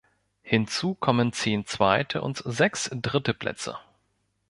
Hinzu kommen zehn zweite und sechs dritte Plätze.